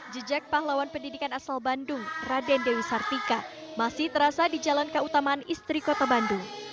jejak pahlawan pendidikan asal bandung raden dewi sartika masih terasa di jalan keutamaan istri kota bandung